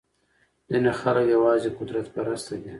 ځینې خلک یوازې قدرت پرسته دي.